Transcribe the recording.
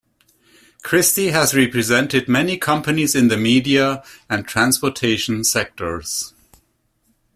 Christie has represented many companies in the media and transportation sectors.